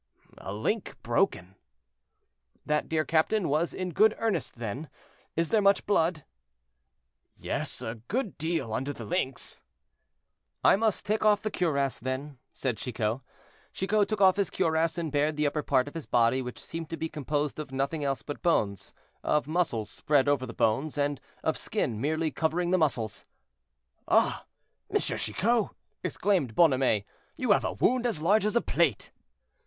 "A link broken." "That dear captain was in good earnest then; is there much blood?" "Yes, a good deal under the links." "I must take off the cuirass, then," said Chicot. Chicot took off his cuirass, and bared the upper part of his body, which seemed to be composed of nothing else but bones, of muscles spread over the bones, and of skin merely covering the muscles. "Ah! Monsieur Chicot," exclaimed Bonhomet, "you have a wound as large as a plate."